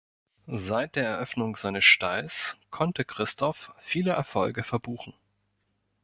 Seit der Eröffnung seines Stalls konnte Christophe viele Erfolge verbuchen.